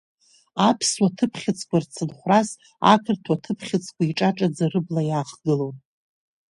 Аԥсуа ҭыԥхьыӡқәа рцынхәрас ақырҭуа ҭыԥхьыӡқәа иҿаҿаӡа рыбла иаахгылон…